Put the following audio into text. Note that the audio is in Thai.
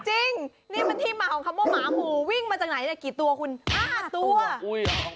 จริงนี่มันที่มาของคำว่าหมาหมู่วิ่งมาจากไหนเนี่ยกี่ตัวคุณห้าตัวอุ้ย